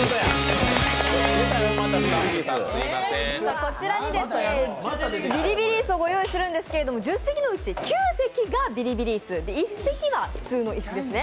こちらにビリビリ椅子をご用意するんですけれども１０席のうち９席がビリビリ椅子、１席は普通の椅子ですね。